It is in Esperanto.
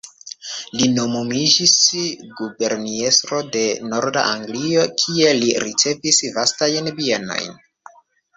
Li nomumiĝis guberniestro de norda Anglio, kie li ricevis vastajn bienojn.